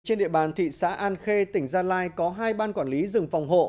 trên địa bàn thị xã an khê tỉnh gia lai có hai ban quản lý rừng phòng hộ